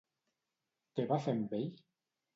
Què va fer amb ell?